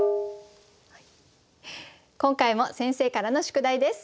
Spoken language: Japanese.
今回も先生からの宿題です。